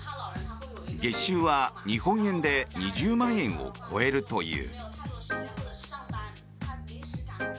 月収は日本円で２０万円を超えるという。